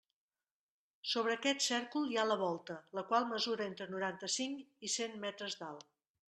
Sobre aquest cèrcol hi ha la volta, la qual mesura entre noranta-cinc i cent metres d'alt.